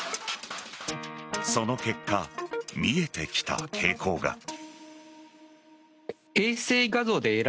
その結果、見えてきた傾向が。